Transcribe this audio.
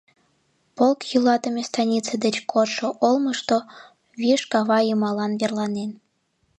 Полк йӱлатыме станице деч кодшо олмышто, виш кава йымалан верланен.